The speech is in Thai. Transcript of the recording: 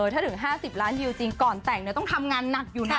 ถ้าถึง๕๐ล้านวิวจริงก่อนแต่งต้องทำงานหนักอยู่นะ